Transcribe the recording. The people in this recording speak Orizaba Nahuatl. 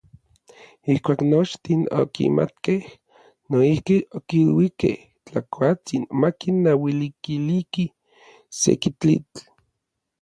Ijkuak nochtin okimatkej, noijki okiluikej Tlakuatsin makinualikiliki seki tlitl.